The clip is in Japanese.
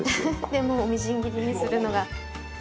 レモンをみじん切りにするのが。